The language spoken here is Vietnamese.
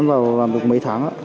em vào làm được mấy tháng ạ